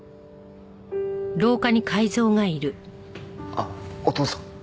あっお義父さん。